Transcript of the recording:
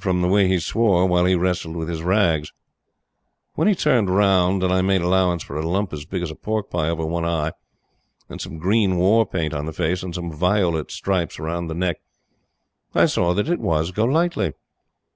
from the way he swore while he wrestled with his rags. When he turned round, and I had made allowance for a lump as big as a pork pie over one eye, and some green war paint on the face, and some violet stripes round the neck, I saw that it was Golightly.